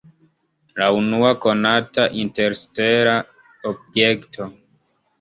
La unua konata interstela objekto!